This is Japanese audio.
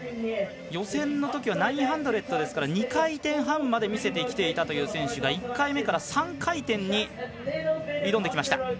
予選のときは９００でしたから２回転半まで見せてきていた選手が１回目から３回転に挑んできました。